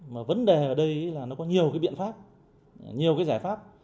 mà vấn đề ở đây là nó có nhiều cái biện pháp nhiều cái giải pháp